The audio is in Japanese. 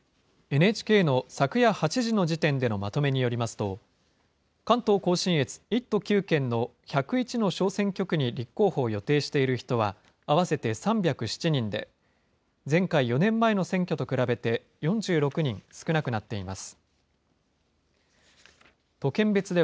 ＮＨＫの昨夜８時の時点でのまとめによりますと、関東甲信越１都９県の１０１の小選挙区に立候補を予定している人は合わせて３０７人で、前回・４年前の選挙と比べて４６人少なくなっています。